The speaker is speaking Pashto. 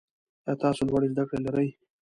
آیا تاسو لوړي زده کړي لرئ؟